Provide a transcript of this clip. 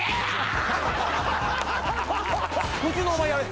普通のお前やれ。